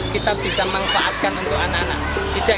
kita bisa manfaatkan untuk anak anak